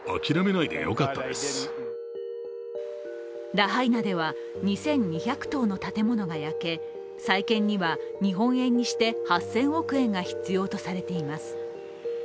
ラハイナでは２２００棟の建物が焼け、再建には日本円にして８０００億円が必要とされています。